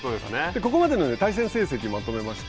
ここまでの対戦成績をまとめました。